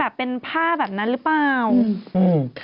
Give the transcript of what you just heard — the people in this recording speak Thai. เป็นผ้าแบบนั้นหรือเปล่าอืม